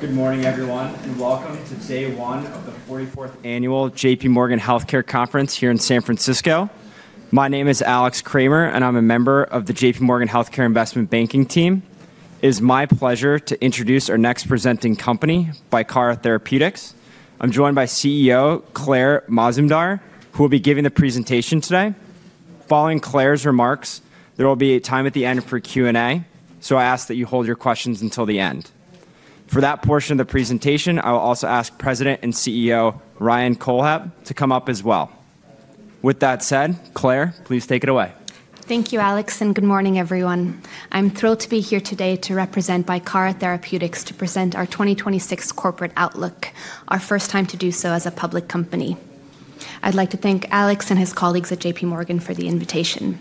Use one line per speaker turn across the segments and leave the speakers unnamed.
Good morning, everyone, and welcome to day one of the 44th Annual J.P. Morgan Healthcare Conference here in San Francisco. My name is Alex Kramer, and I'm a member of the JPMorgan Healthcare Investment Banking team. It is my pleasure to introduce our next presenting company, Bicara Therapeutics. I'm joined by CEO Claire Mazumdar, who will be giving the presentation today. Following Claire's remarks, there will be a time at the end for Q&A, so I ask that you hold your questions until the end. For that portion of the presentation, I will also ask President and CEO Ryan Kohlhepp to come up as well. With that said, Claire, please take it away.
Thank you, Alex, and good morning, everyone. I'm thrilled to be here today to represent Bicara Therapeutics to present our 2026 corporate outlook, our first time to do so as a public company. I'd like to thank Alex and his colleagues at JPMorgan for the invitation.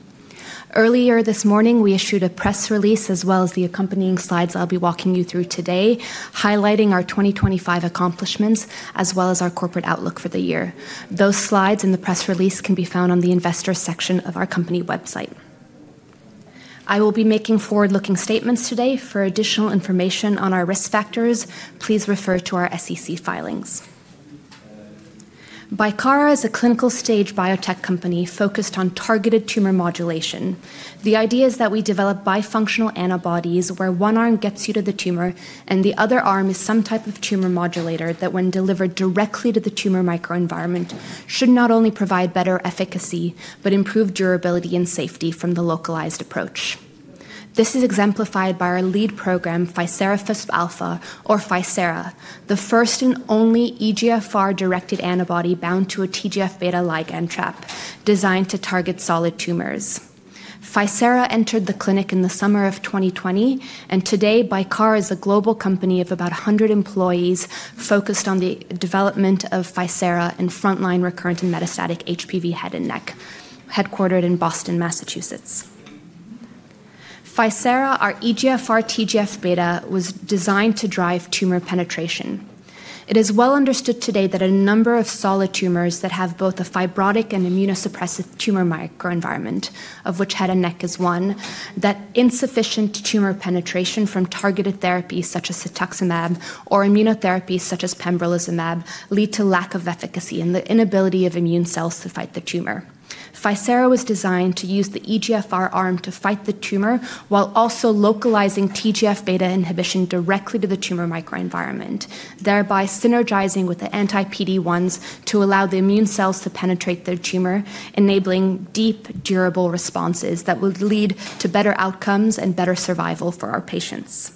Earlier this morning, we issued a press release as well as the accompanying slides I'll be walking you through today, highlighting our 2025 accomplishments as well as our corporate outlook for the year. Those slides and the press release can be found on the Investor section of our company website. I will be making forward-looking statements today. For additional information on our risk factors, please refer to our SEC filings. Bicara is a clinical-stage biotech company focused on targeted tumor modulation. The idea is that we develop bifunctional antibodies where one arm gets you to the tumor and the other arm is some type of tumor modulator that, when delivered directly to the tumor microenvironment, should not only provide better efficacy but improve durability and safety from the localized approach. This is exemplified by our lead program, ficerafusp alfa, or ficerafusp alfa, the first and only EGFR-directed antibody bound to a TGF-β ligand trap designed to target solid tumors. Ficerafusp alfa entered the clinic in the summer of 2020, and today Bicara is a global company of about 100 employees focused on the development of ficerafusp alfa in frontline recurrent and metastatic HPV head and neck, headquartered in Boston, Massachusetts. Ficerafusp alfa, our EGFR TGF-β, was designed to drive tumor penetration. It is well understood today that a number of solid tumors that have both a fibrotic and immunosuppressive tumor microenvironment, of which head and neck is one, that insufficient tumor penetration from targeted therapies such as cetuximab or immunotherapies such as pembrolizumab lead to lack of efficacy and the inability of immune cells to fight the tumor. Ficerafusp alfa was designed to use the EGFR arm to fight the tumor while also localizing TGF-β inhibition directly to the tumor microenvironment, thereby synergizing with the anti-PD-1s to allow the immune cells to penetrate the tumor, enabling deep, durable responses that will lead to better outcomes and better survival for our patients.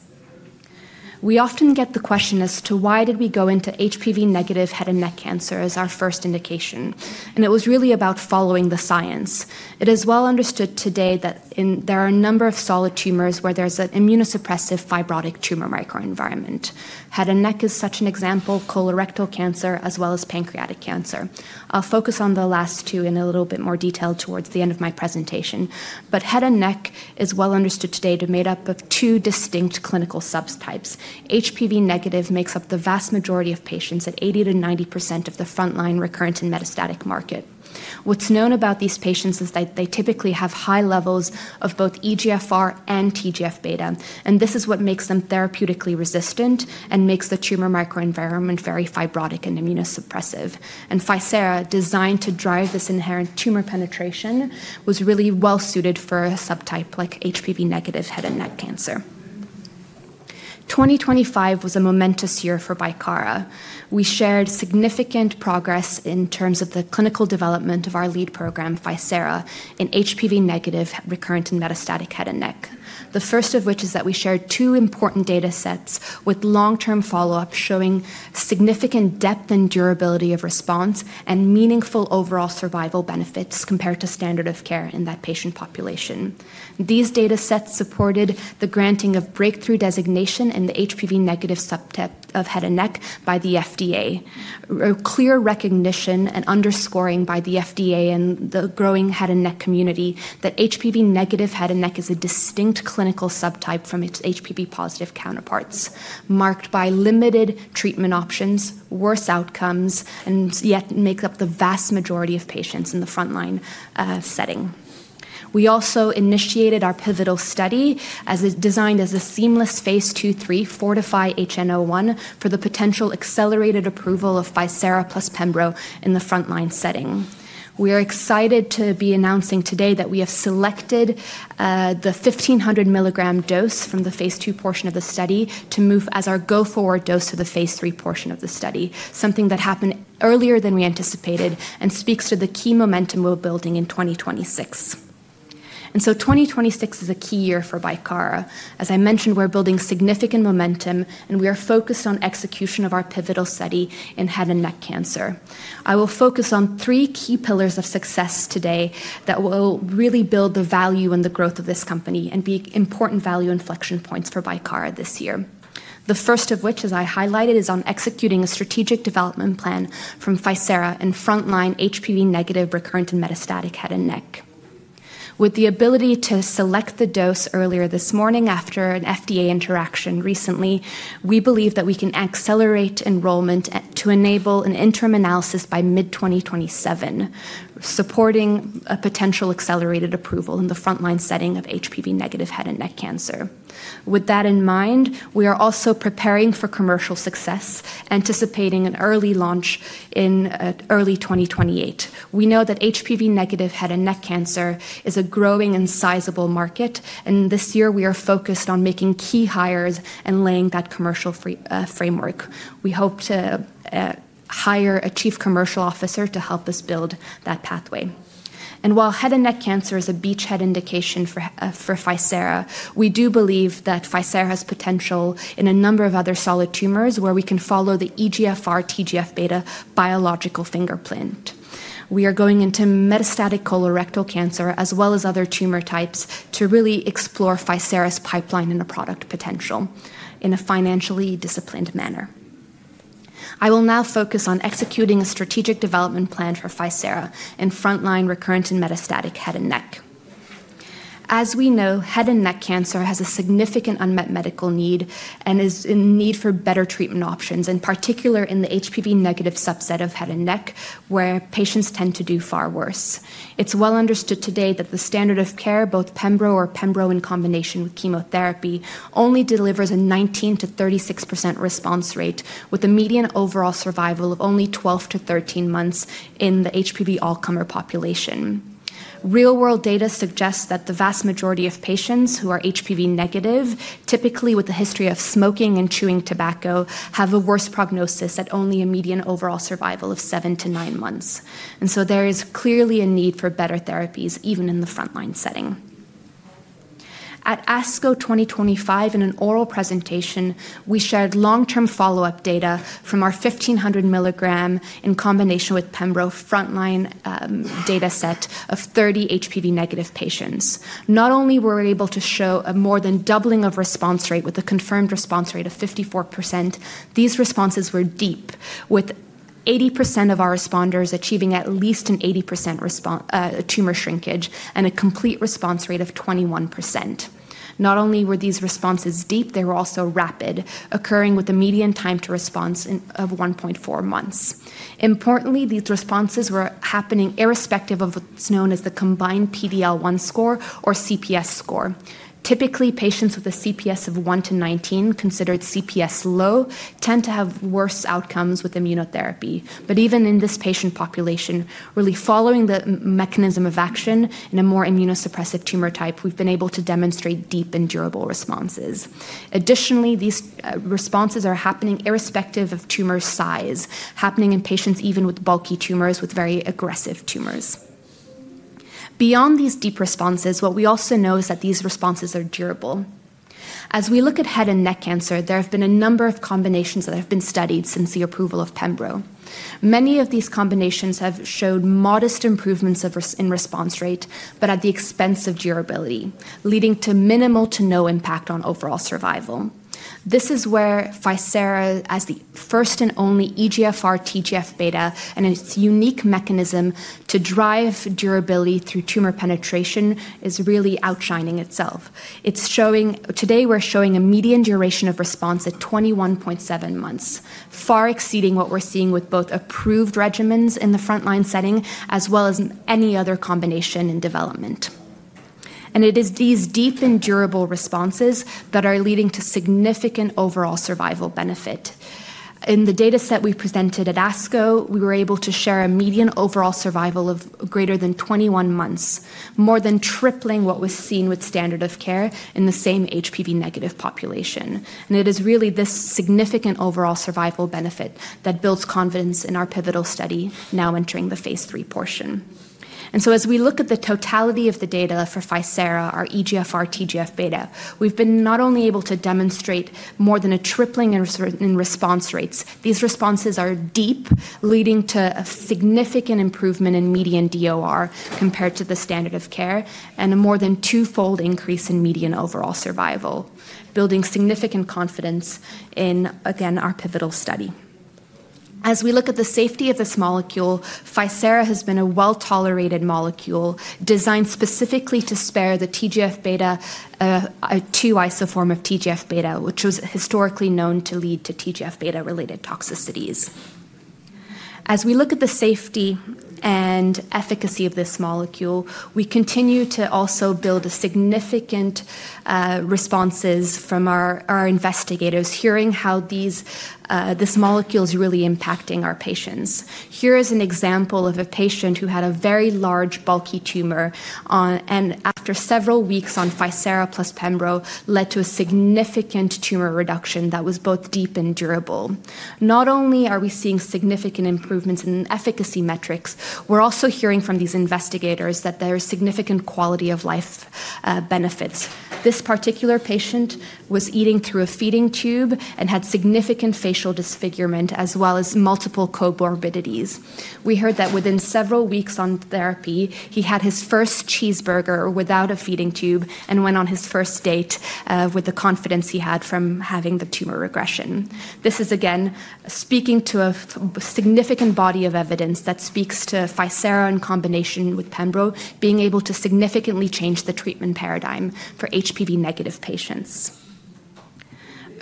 We often get the question as to why did we go into HPV-negative head and neck cancer as our first indication, and it was really about following the science. It is well understood today that there are a number of solid tumors where there's an immunosuppressive fibrotic tumor microenvironment. Head and neck is such an example, colorectal cancer as well as pancreatic cancer. I'll focus on the last two in a little bit more detail towards the end of my presentation, but head and neck is well understood today to be made up of two distinct clinical subtypes. HPV-negative makes up the vast majority of patients at 80% to 90% of the frontline recurrent and metastatic market. What's known about these patients is that they typically have high levels of both EGFR and TGF-β, and this is what makes them therapeutically resistant and makes the tumor microenvironment very fibrotic and immunosuppressive, and ficerafusp alfa, designed to drive this inherent tumor penetration, was really well suited for a subtype like HPV-negative head and neck cancer. 2025 was a momentous year for Bicara. We shared significant progress in terms of the clinical development of our lead program, ficerafusp alfa, in HPV-negative recurrent and metastatic head and neck, the first of which is that we shared two important data sets with long-term follow-up showing significant depth and durability of response and meaningful overall survival benefits compared to standard of care in that patient population. These data sets supported the granting of breakthrough designation in the HPV-negative subtype of head and neck by the FDA, a clear recognition and underscoring by the FDA and the growing head and neck community that HPV-negative head and neck is a distinct clinical subtype from its HPV-positive counterparts, marked by limited treatment options, worse outcomes, and yet makes up the vast majority of patients in the frontline setting. We also initiated our pivotal study designed as a seamless phase II, III, FORTIFY-HNS for the potential accelerated approval of ficerafusp alfa plus pembro in the frontline setting. We are excited to be announcing today that we have selected the 1,500 milligram dose from the phase II portion of the study to move as our go-forward dose for the phase III portion of the study, something that happened earlier than we anticipated and speaks to the key momentum we're building in 2026, and so 2026 is a key year for Bicara. As I mentioned, we're building significant momentum, and we are focused on execution of our pivotal study in head and neck cancer. I will focus on three key pillars of success today that will really build the value and the growth of this company and be important value inflection points for Bicara this year, the first of which, as I highlighted, is on executing a strategic development plan for ficerafusp alfa in frontline HPV-negative recurrent and metastatic head and neck. With the ability to select the dose earlier this morning after an FDA interaction recently, we believe that we can accelerate enrollment to enable an interim analysis by mid-2027, supporting a potential accelerated approval in the frontline setting of HPV-negative head and neck cancer. With that in mind, we are also preparing for commercial success, anticipating an early launch in early 2028. We know that HPV-negative head and neck cancer is a growing and sizable market, and this year we are focused on making key hires and laying that commercial framework. We hope to hire a chief commercial officer to help us build that pathway, and while head and neck cancer is a beachhead indication for ficerafusp alfa, we do believe that ficerafusp alfa has potential in a number of other solid tumors where we can follow the EGFR TGF-β biological fingerprint. We are going into metastatic colorectal cancer as well as other tumor types to really explore ficerafusp alfa's pipeline and the product potential in a financially disciplined manner. I will now focus on executing a strategic development plan for ficerafusp alfa in frontline recurrent and metastatic head and neck. As we know, head and neck cancer has a significant unmet medical need and is in need for better treatment options, in particular in the HPV-negative subset of head and neck where patients tend to do far worse. It's well understood today that the standard of care, both Pembro or Pembro in combination with chemotherapy, only delivers a 19%-36% response rate, with a median overall survival of only 12 to 13 months in the HPV all-comer population. Real-world data suggests that the vast majority of patients who are HPV-negative, typically with a history of smoking and chewing tobacco, have a worse prognosis at only a median overall survival of seven to nine months, and so there is clearly a need for better therapies, even in the frontline setting. At ASCO 2025, in an oral presentation, we shared long-term follow-up data from our 1,500 milligram in combination with Pembro frontline data set of 30 HPV-negative patients. Not only were we able to show a more than doubling of response rate with a confirmed response rate of 54%. These responses were deep, with 80% of our responders achieving at least an 80% tumor shrinkage and a complete response rate of 21%. Not only were these responses deep, they were also rapid, occurring with a median time to response of 1.4 months. Importantly, these responses were happening irrespective of what's known as the combined PD-L1 score or CPS score. Typically, patients with a CPS of 1 to 19, considered CPS low, tend to have worse outcomes with immunotherapy. But even in this patient population, really following the mechanism of action in a more immunosuppressive tumor type, we've been able to demonstrate deep and durable responses. Additionally, these responses are happening irrespective of tumor size, happening in patients even with bulky tumors, with very aggressive tumors. Beyond these deep responses, what we also know is that these responses are durable. As we look at head and neck cancer, there have been a number of combinations that have been studied since the approval of Pembro. Many of these combinations have showed modest improvements in response rate, but at the expense of durability, leading to minimal to no impact on overall survival. This is where ficerafusp alfa, as the first and only EGFR TGF-β and its unique mechanism to drive durability through tumor penetration, is really outshining itself. Today, we're showing a median duration of response at 21.7 months, far exceeding what we're seeing with both approved regimens in the frontline setting as well as any other combination in development. And it is these deep and durable responses that are leading to significant overall survival benefit. In the data set we presented at ASCO, we were able to share a median overall survival of greater than 21 months, more than tripling what was seen with standard of care in the same HPV-negative population, and it is really this significant overall survival benefit that builds confidence in our pivotal study now entering the phase III portion, and so as we look at the totality of the data for ficerafusp alfa, our EGFR TGF-β, we've been not only able to demonstrate more than a tripling in response rates, these responses are deep, leading to a significant improvement in median DOR compared to the standard of care and a more than twofold increase in median overall survival, building significant confidence in, again, our pivotal study. As we look at the safety of this molecule, ficerafusp alfa has been a well-tolerated molecule designed specifically to spare the TGF-β, a two-isoform of TGF-β, which was historically known to lead to TGF-β-related toxicities. As we look at the safety and efficacy of this molecule, we continue to also build significant responses from our investigators, hearing how this molecule is really impacting our patients. Here is an example of a patient who had a very large, bulky tumor, and after several weeks on ficerafusp alfa plus Pembro led to a significant tumor reduction that was both deep and durable. Not only are we seeing significant improvements in efficacy metrics, we're also hearing from these investigators that there are significant quality of life benefits. This particular patient was eating through a feeding tube and had significant facial disfigurement as well as multiple comorbidities. We heard that within several weeks on therapy, he had his first cheeseburger without a feeding tube and went on his first date with the confidence he had from having the tumor regression. This is, again, speaking to a significant body of evidence that speaks to ficerafusp alfa in combination with Pembro being able to significantly change the treatment paradigm for HPV-negative patients.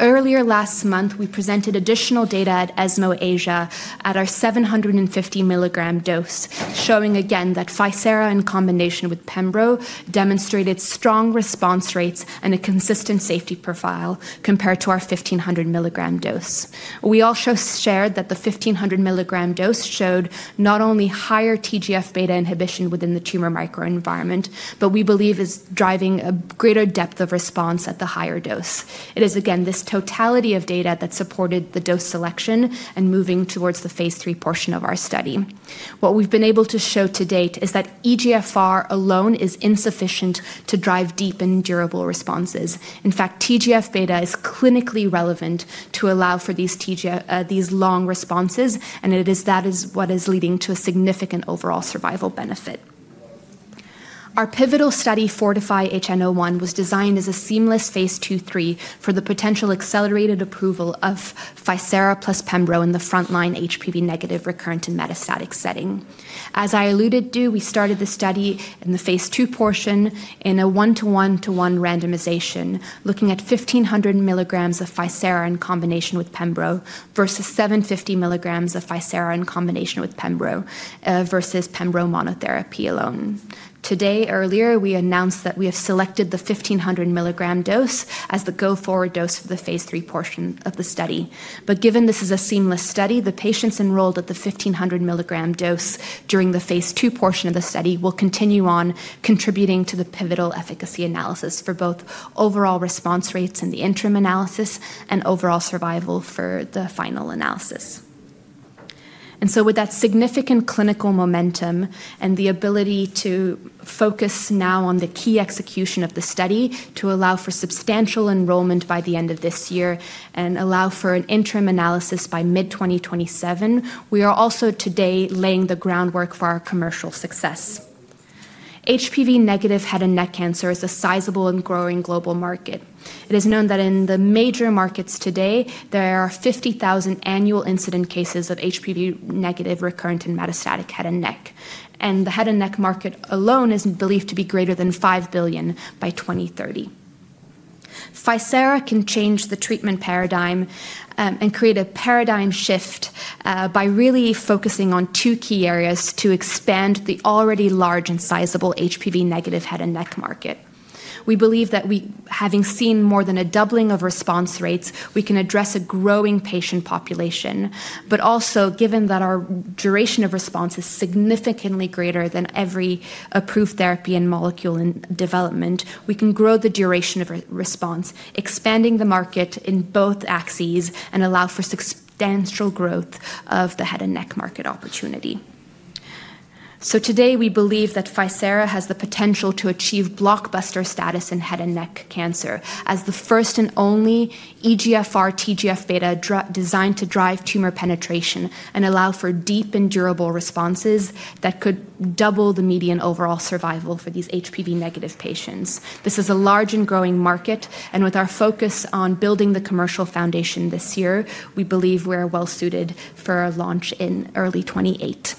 Earlier last month, we presented additional data at ESMO Asia at our 750 milligram dose, showing again that ficerafusp alfa in combination with Pembro demonstrated strong response rates and a consistent safety profile compared to our 1,500 milligram dose. We also shared that the 1,500 milligram dose showed not only higher TGF-β inhibition within the tumor microenvironment, but we believe is driving a greater depth of response at the higher dose. It is, again, this totality of data that supported the dose selection and moving towards the phase III portion of our study. What we've been able to show to date is that EGFR alone is insufficient to drive deep and durable responses. In fact, TGF-β is clinically relevant to allow for these long responses, and it is that is what is leading to a significant overall survival benefit. Our pivotal study, FORTIFY-HNS, was designed as a seamless phase II, III for the potential accelerated approval of ficerafusp alfa plus Pembro in the frontline HPV-negative recurrent and metastatic setting. As I alluded to, we started the study in the phase II portion in a 1:1:1 randomization, looking at 1,500 milligrams of ficerafusp alfa in combination with Pembro versus 750 milligrams of ficerafusp alfa in combination with Pembro versus Pembro monotherapy alone. Today, earlier, we announced that we have selected the 1,500 milligram dose as the go-forward dose for the phase III portion of the study, but given this is a seamless study, the patients enrolled at the 1,500 milligram dose during the phase II portion of the study will continue on contributing to the pivotal efficacy analysis for both overall response rates in the interim analysis and overall survival for the final analysis, and so with that significant clinical momentum and the ability to focus now on the key execution of the study to allow for substantial enrollment by the end of this year and allow for an interim analysis by mid-2027, we are also today laying the groundwork for our commercial success. HPV-negative head and neck cancer is a sizable and growing global market. It is known that in the major markets today, there are 50,000 annual incidence cases of HPV-negative recurrent and metastatic head and neck, and the head and neck market alone is believed to be greater than $5 billion by 2030. Ficerafusp alfa can change the treatment paradigm and create a paradigm shift by really focusing on two key areas to expand the already large and sizable HPV-negative head and neck market. We believe that having seen more than a doubling of response rates, we can address a growing patient population, but also, given that our duration of response is significantly greater than every approved therapy and molecule in development, we can grow the duration of response, expanding the market in both axes and allow for substantial growth of the head and neck market opportunity. So today, we believe that ficerafusp alfa has the potential to achieve blockbuster status in head and neck cancer as the first and only EGFR TGF-β designed to drive tumor penetration and allow for deep and durable responses that could double the median overall survival for these HPV-negative patients. This is a large and growing market, and with our focus on building the commercial foundation this year, we believe we're well suited for a launch in early 2028.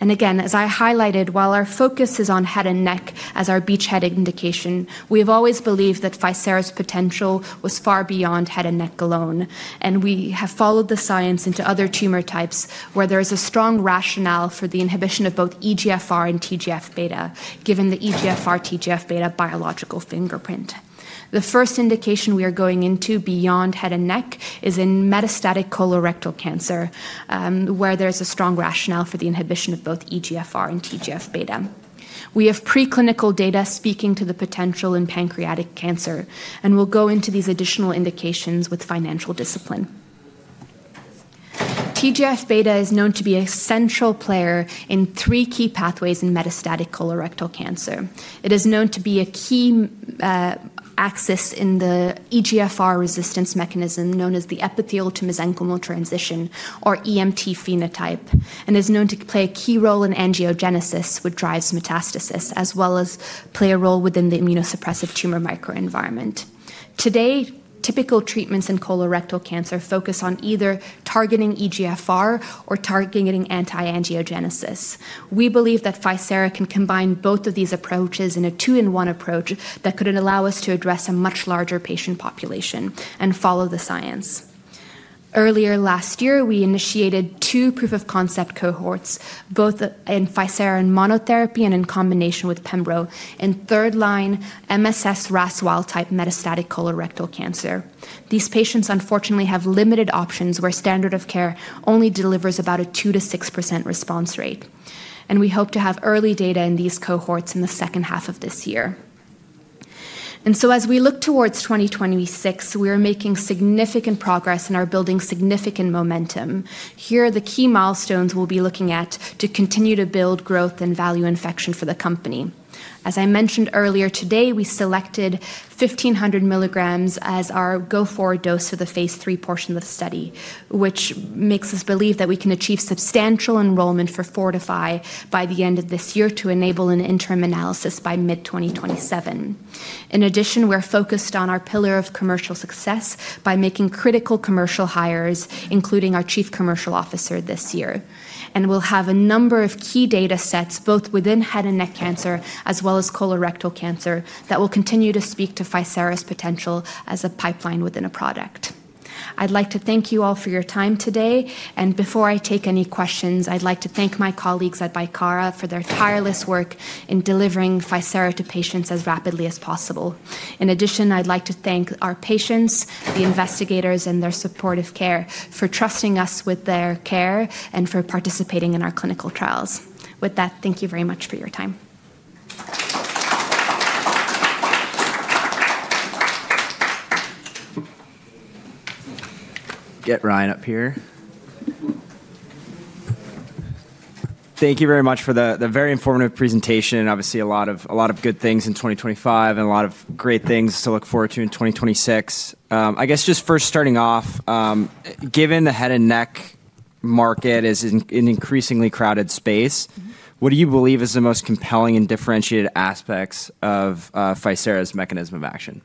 And again, as I highlighted, while our focus is on head and neck as our beachhead indication, we have always believed that ficerafusp alfa's potential was far beyond head and neck alone. And we have followed the science into other tumor types where there is a strong rationale for the inhibition of both EGFR and TGF-β, given the EGFR TGF-β biological fingerprint. The first indication we are going into beyond head and neck is in metastatic colorectal cancer, where there is a strong rationale for the inhibition of both EGFR and TGF-β. We have preclinical data speaking to the potential in pancreatic cancer, and we'll go into these additional indications with financial discipline. TGF-β is known to be a central player in three key pathways in metastatic colorectal cancer. It is known to be a key axis in the EGFR resistance mechanism known as the epithelial-to-mesenchymal transition, or EMT phenotype, and is known to play a key role in angiogenesis, which drives metastasis, as well as play a role within the immunosuppressive tumor microenvironment. Today, typical treatments in colorectal cancer focus on either targeting EGFR or targeting anti-angiogenesis. We believe that ficerafusp alfa can combine both of these approaches in a two-in-one approach that could allow us to address a much larger patient population and follow the science. Earlier last year, we initiated two proof-of-concept cohorts, both in ficerafusp alfa monotherapy and in combination with Pembro in third-line MSS RAS wild-type metastatic colorectal cancer. These patients, unfortunately, have limited options where standard of care only delivers about a 2% to 6% response rate. We hope to have early data in these cohorts in the second half of this year. So as we look towards 2026, we are making significant progress and are building significant momentum. Here are the key milestones we'll be looking at to continue to build growth and value inflection for the company. As I mentioned earlier today, we selected 1,500 milligrams as our go-forward dose for the phase III portion of the study, which makes us believe that we can achieve substantial enrollment for Fortify by the end of this year to enable an interim analysis by mid-2027. In addition, we're focused on our pillar of commercial success by making critical commercial hires, including our Chief Commercial Officer this year. And we'll have a number of key data sets both within head and neck cancer as well as colorectal cancer that will continue to speak to ficerafusp alfa's potential as a pipeline within a product. I'd like to thank you all for your time today. And before I take any questions, I'd like to thank my colleagues at Bicara for their tireless work in delivering ficerafusp alfa to patients as rapidly as possible. In addition, I'd like to thank our patients, the investigators, and their supportive care for trusting us with their care and for participating in our clinical trials. With that, thank you very much for your time.
Get Ryan up here. Thank you very much for the very informative presentation. Obviously, a lot of good things in 2025 and a lot of great things to look forward to in 2026. I guess just first starting off, given the head and neck market is an increasingly crowded space, what do you believe is the most compelling and differentiated aspects of ficerafusp's mechanism of action?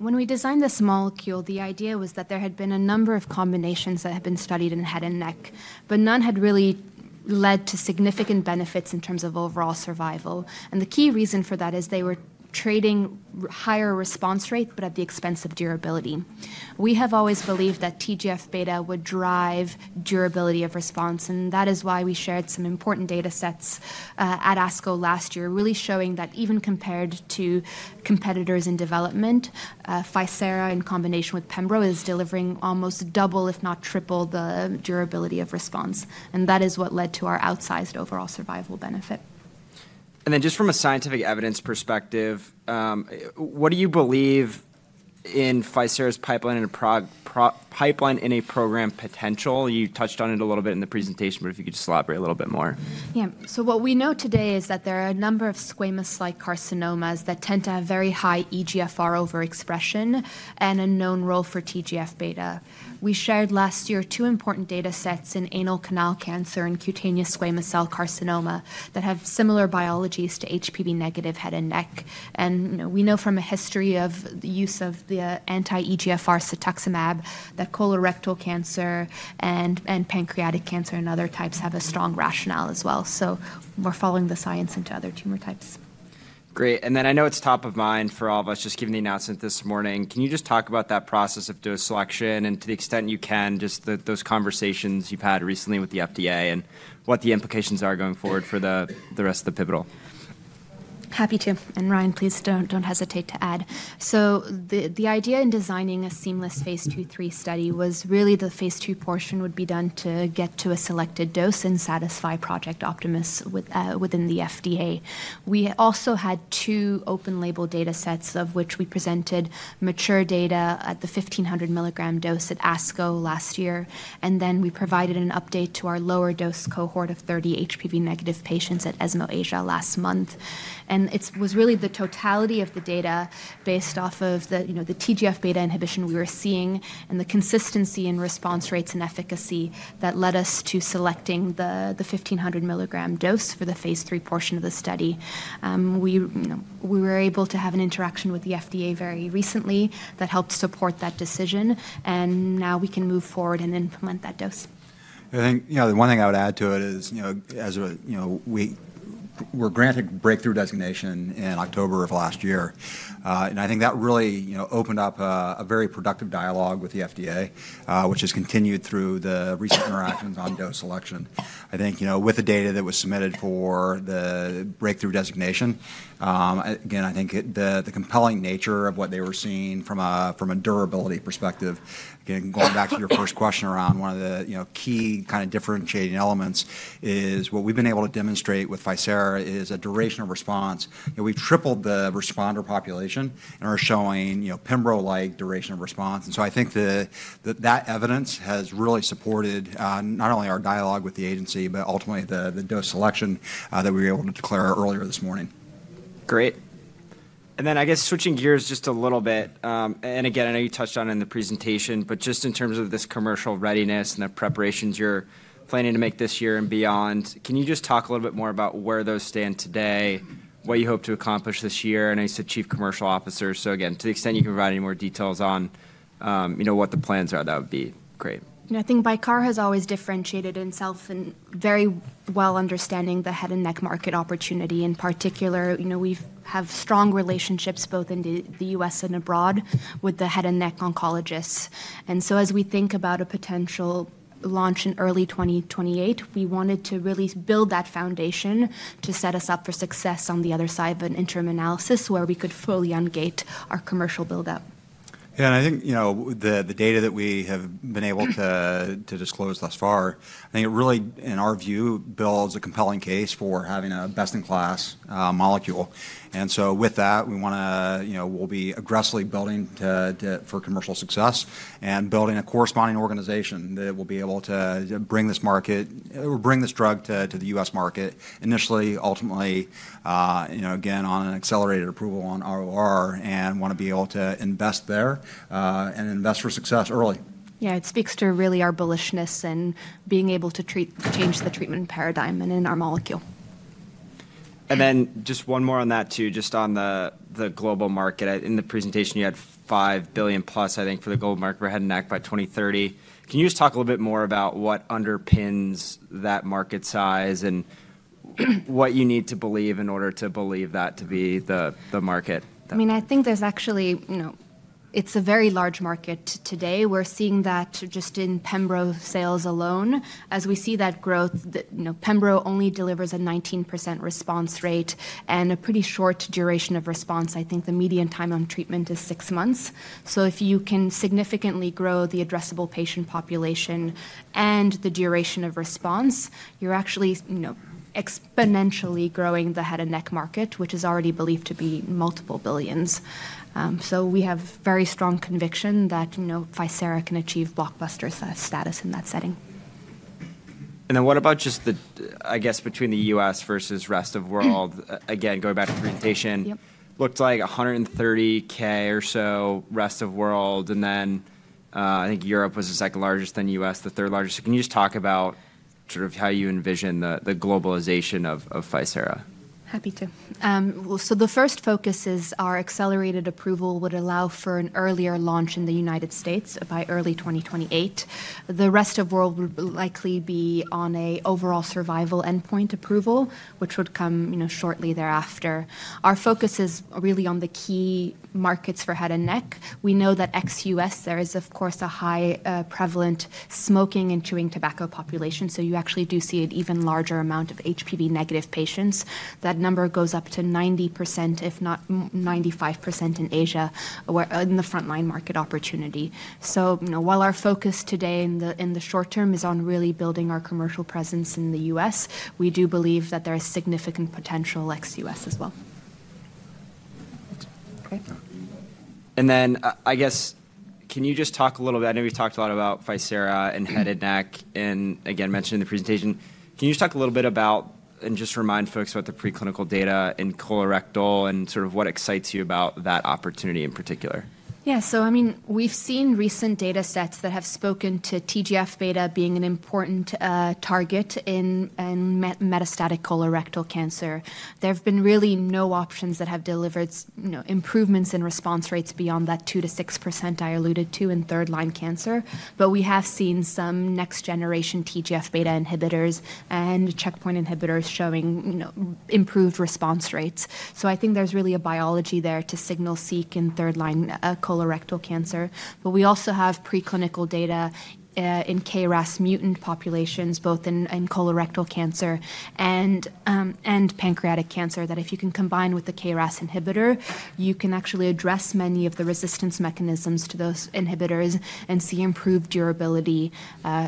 When we designed this molecule, the idea was that there had been a number of combinations that had been studied in head and neck, but none had really led to significant benefits in terms of overall survival. The key reason for that is they were trading higher response rate, but at the expense of durability. We have always believed that TGF-β would drive durability of response, and that is why we shared some important data sets at ASCO last year, really showing that even compared to competitors in development, ficerafusp alfa in combination with Pembro is delivering almost double, if not triple, the durability of response. That is what led to our outsized overall survival benefit.
Then just from a scientific evidence perspective, what do you believe in ficerafusp alfa's pipeline and program potential? You touched on it a little bit in the presentation, but if you could just elaborate a little bit more.
Yeah. What we know today is that there are a number of squamous cell carcinomas that tend to have very high EGFR overexpression and a known role for TGF-β. We shared last year two important data sets in anal canal cancer and cutaneous squamous cell carcinoma that have similar biologies to HPV-negative head and neck. And we know from a history of the use of the anti-EGFR Cetuximab that colorectal cancer and pancreatic cancer and other types have a strong rationale as well. So we're following the science into other tumor types.
Great. And then I know it's top of mind for all of us, just given the announcement this morning. Can you just talk about that process of dose selection and to the extent you can, just those conversations you've had recently with the FDA and what the implications are going forward for the rest of the pivotal?
Happy to. And Ryan, please don't hesitate to add. The idea in designing a seamless phase II/III study was really the phase II portion would be done to get to a selected dose and satisfy Project Optimus within the FDA. We also had two open-label data sets of which we presented mature data at the 1,500 milligram dose at ASCO last year. Then we provided an update to our lower dose cohort of 30 HPV-negative patients at ESMO Asia last month. It was really the totality of the data based off of the TGF-β inhibition we were seeing and the consistency in response rates and efficacy that led us to selecting the 1,500 milligram dose for the phase III portion of the study. We were able to have an interaction with the FDA very recently that helped support that decision. Now we can move forward and implement that dose.
I think the one thing I would add to it is, as we were granted Breakthrough Designation in October of last year, and I think that really opened up a very productive dialogue with the FDA, which has continued through the recent interactions on dose selection. I think with the data that was submitted for the Breakthrough Designation, again, I think the compelling nature of what they were seeing from a durability perspective, again, going back to your first question around one of the key kind of differentiating elements is what we've been able to demonstrate with ficerafusp alfa is a durable response. We've tripled the responder population and are showing Pembro-like duration of response. And so I think that evidence has really supported not only our dialogue with the agency, but ultimately the dose selection that we were able to declare earlier this morning.
Great. And then I guess switching gears just a little bit. And again, I know you touched on it in the presentation, but just in terms of this commercial readiness and the preparations you're planning to make this year and beyond, can you just talk a little bit more about where those stand today, what you hope to accomplish this year? I know you said chief commercial officer. So again, to the extent you can provide any more details on what the plans are, that would be great.
I think Bicara has always differentiated itself in very well understanding the head and neck market opportunity. In particular, we have strong relationships both in the U.S. and abroad with the head and neck oncologists. And so as we think about a potential launch in early 2028, we wanted to really build that foundation to set us up for success on the other side of an interim analysis where we could fully ungate our commercial buildup.
Yeah. And I think the data that we have been able to disclose thus far, I think it really, in our view, builds a compelling case for having a best-in-class molecule. And so with that, we'll be aggressively building for commercial success and building a corresponding organization that will be able to bring this drug to the U.S. market initially, ultimately, again, on an accelerated approval on ORR and want to be able to invest there and invest for success early.
Yeah. It speaks to really our bullishness and being able to change the treatment paradigm and in our molecule.
And then just one more on that too, just on the global market. In the presentation, you had $5 billion plus, I think, for the global market for head and neck by 2030. Can you just talk a little bit more about what underpins that market size and what you need to believe in order to believe that to be the market?
I mean, I think there's actually, it's a very large market today. We're seeing that just in Pembro sales alone. As we see that growth, Pembro only delivers a 19% response rate and a pretty short duration of response. I think the median time on treatment is six months. So if you can significantly grow the addressable patient population and the duration of response, you're actually exponentially growing the head and neck market, which is already believed to be multiple billions. So we have very strong conviction that ficerafusp alfa can achieve blockbuster status in that setting.
And then what about just the, I guess, between the U.S. versus rest of world? Again, going back to the presentation, looked like 130K or so rest of world. And then I think Europe was the second largest and the U.S. the third largest. So can you just talk about sort of how you envision the globalization of ficerafusp alfa?
Happy to. So the first focus is our accelerated approval would allow for an earlier launch in the United States by early 2028. The rest of world would likely be on an overall survival endpoint approval, which would come shortly thereafter. Our focus is really on the key markets for head and neck. We know that ex-U.S., there is, of course, a high-prevalence smoking and chewing tobacco population. You actually do see an even larger amount of HPV-negative patients. That number goes up to 90%, if not 95% in Asia, in the frontline market opportunity. While our focus today in the short term is on really building our commercial presence in the U.S., we do believe that there is significant potential ex-U.S. as well.
Great. And then I guess, can you just talk a little bit? I know we've talked a lot about ficerafusp alfa and head and neck and, again, mentioned in the presentation. Can you just talk a little bit about and just remind folks about the preclinical data in colorectal and sort of what excites you about that opportunity in particular?
Yeah. So I mean, we've seen recent data sets that have spoken to TGF-β being an important target in metastatic colorectal cancer. There have been really no options that have delivered improvements in response rates beyond that 2% to 6% I alluded to in third-line cancer. But we have seen some next-generation TGF-β inhibitors and checkpoint inhibitors showing improved response rates. So I think there's really a biology there to signal-seek in third-line colorectal cancer. But we also have preclinical data in KRAS mutant populations, both in colorectal cancer and pancreatic cancer, that if you can combine with the KRAS inhibitor, you can actually address many of the resistance mechanisms to those inhibitors and see improved durability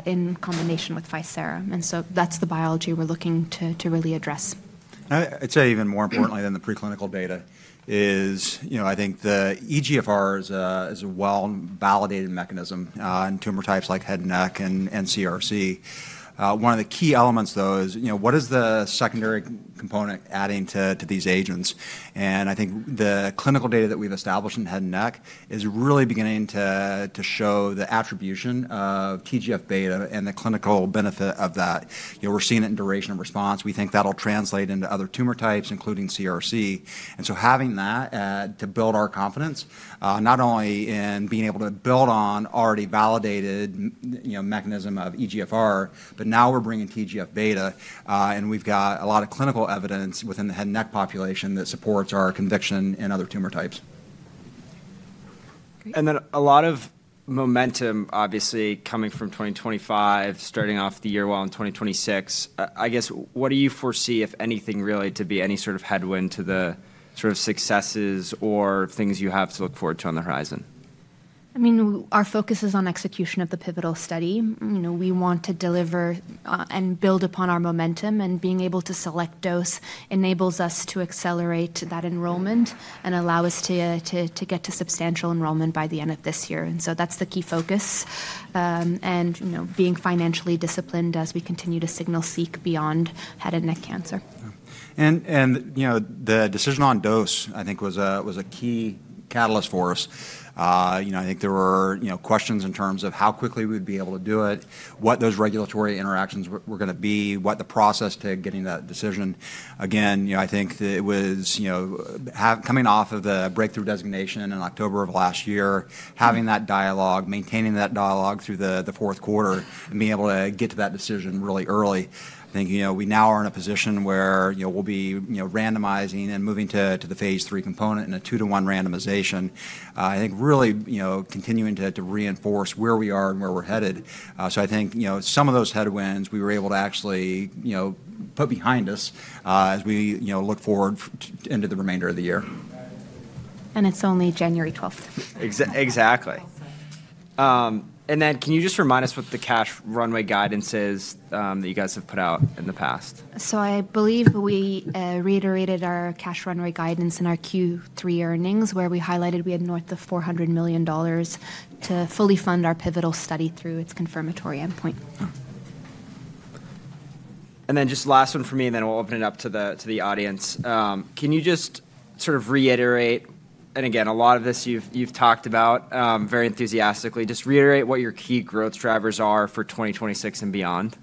in combination with ficerafusp alfa. And so that's the biology we're looking to really address.
I'd say even more importantly than the preclinical data is I think the EGFR is a well-validated mechanism in tumor types like head and neck and CRC. One of the key elements, though, is what is the secondary component adding to these agents? And I think the clinical data that we've established in head and neck is really beginning to show the attribution of TGF-β and the clinical benefit of that. We're seeing it in duration of response. We think that'll translate into other tumor types, including CRC. And so having that to build our confidence, not only in being able to build on already validated mechanism of EGFR, but now we're bringing TGF-β and we've got a lot of clinical evidence within the head and neck population that supports our conviction in other tumor types.
And then a lot of momentum, obviously, coming from 2025, starting off the year well in 2026. I guess, what do you foresee, if anything, really, to be any sort of headwind to the sort of successes or things you have to look forward to on the horizon?
I mean, our focus is on execution of the pivotal study. We want to deliver and build upon our momentum. And being able to select dose enables us to accelerate that enrollment and allow us to get to substantial enrollment by the end of this year. And so that's the key focus. And being financially disciplined as we continue to signal-seek beyond head and neck cancer.
And the decision on dose, I think, was a key catalyst for us. I think there were questions in terms of how quickly we would be able to do it, what those regulatory interactions were going to be, what the process to getting that decision. Again, I think it was coming off of the Breakthrough Designation in October of last year, having that dialogue, maintaining that dialogue through the Q4, and being able to get to that decision really early. I think we now are in a position where we'll be randomizing and moving to the phase III component in a two-to-one randomization. I think really continuing to reinforce where we are and where we're headed. So I think some of those headwinds we were able to actually put behind us as we look forward into the remainder of the year.
And it's only January 12th.
Exactly.
And then can you just remind us what the cash runway guidance is that you guys have put out in the past?
So I believe we reiterated our cash runway guidance in our Q3 earnings, where we highlighted we had north of $400 million to fully fund our pivotal study through its confirmatory endpoint.
And then just last one for me, and then we'll open it up to the audience. Can you just sort of reiterate? And again, a lot of this you've talked about very enthusiastically. Just reiterate what your key growth drivers are for 2026 and beyond.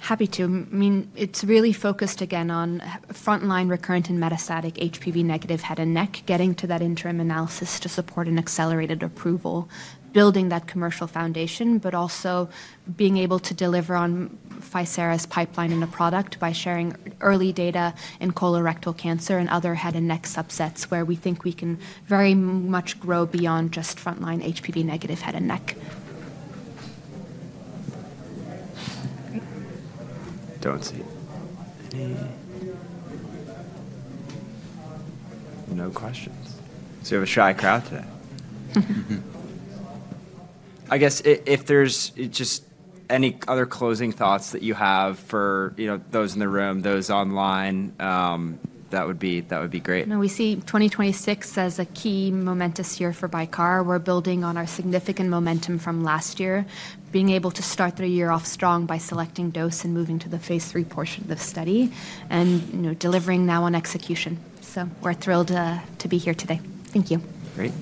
Happy to. I mean, it's really focused, again, on frontline recurrent and metastatic HPV-negative head and neck, getting to that interim analysis to support an accelerated approval, building that commercial foundation, but also being able to deliver on ficerafusp alfa's pipeline in a product by sharing early data in colorectal cancer and other head and neck subsets where we think we can very much grow beyond just frontline HPV-negative head and neck.
Don't see any. No questions. So we have a shy crowd today. I guess if there's just any other closing thoughts that you have for those in the room, those online, that would be great.
We see 2026 as a key momentous year for Bicara. We're building on our significant momentum from last year, being able to start the year off strong by selecting dose and moving to the phase III portion of the study and delivering now on execution. So we're thrilled to be here today. Thank you.
Great.